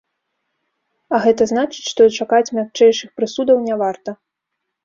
А гэта значыць, што чакаць мякчэйшых прысудаў не варта.